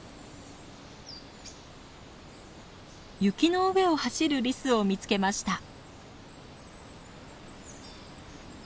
雪の上を走るリスを見つけました。